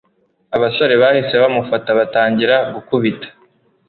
abasore bahise bamufata batangira gukubita